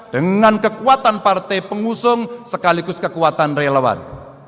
dengan kekuatan partai pengusung sekaligus kekuatan relawan